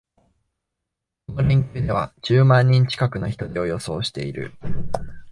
この連休では十万人近くの人出を予想している